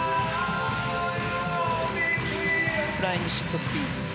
フライングシットスピン。